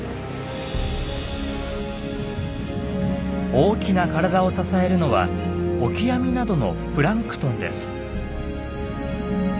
大きな体を支えるのはオキアミなどのプランクトンです。